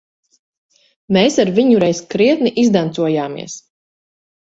Mēs ar viņu reiz krietni izdancojāmies.